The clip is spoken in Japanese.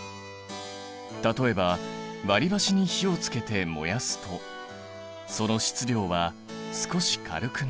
例えば割りばしに火をつけて燃やすとその質量は少し軽くなる。